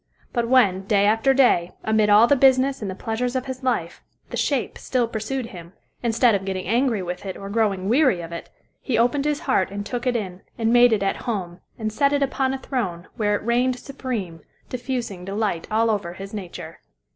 But when, day after day, amid all the business and the pleasures of his life, the "shape" still pursued him, instead of getting angry with it or growing weary of it, he opened his heart and took it in, and made it at home, and set it upon a throne, where it reigned supreme, diffusing delight over all his nature.